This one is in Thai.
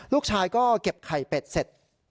ลูกชายก็เก็บไข่เป็ดเสร็จ